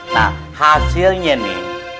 nah hasilnya nih